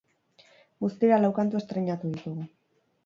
Guztira, lau kantu estreinatu ditugu.